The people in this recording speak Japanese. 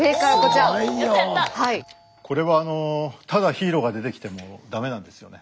これはただヒーローが出てきても駄目なんですよね。